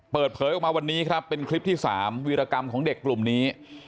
เปิดเผยออกมาวันนี้ครับเป็นคลิปที่๓วิรกรรมของเด็กกลุ่มนี้